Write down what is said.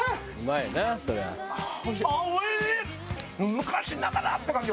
昔ながらって感じ